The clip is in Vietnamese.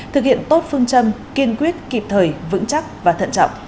thực hiện tốt phương châm kiên quyết kịp thời vững chắc và thận trọng